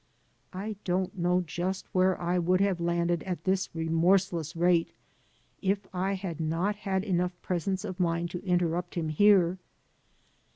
I don't know just where I would have landed at this remorseless rate if I had not had enough presence of mind to interrupt him here.